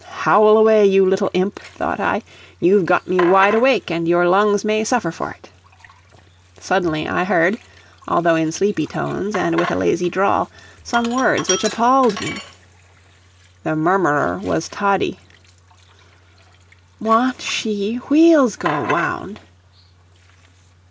"Howl, away, you little imp," thought I. "You've got me wide awake, and your lungs may suffer for it." Suddenly I heard, although in sleepy tones, and with a lazy drawl, some words which appalled me. The murmurer was Toddie: "Want she wheels go wound."